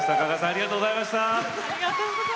ありがとうございます。